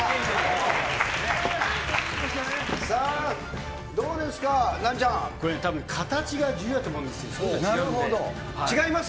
さあ、どうですか、ナンチャこれたぶん、形が重要だと思違います？